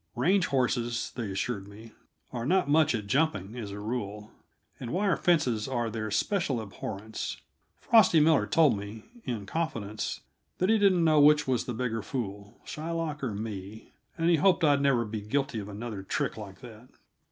Range horses, they assured me, are not much at jumping, as a rule; and wire fences are their special abhorrence. Frosty Miller told me, in confidence, that he didn't know which was the bigger fool, Shylock or me, and he hoped I'd never be guilty of another trick like that.